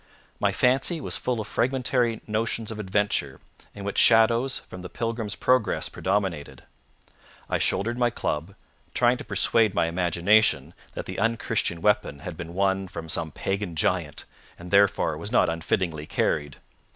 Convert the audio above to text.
My fancy was full of fragmentary notions of adventure, in which shadows from The Pilgrim's Progress predominated. I shouldered my club, trying to persuade my imagination that the unchristian weapon had been won from some pagan giant, and therefore was not unfittingly carried.